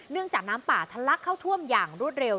จากน้ำป่าทะลักเข้าท่วมอย่างรวดเร็ว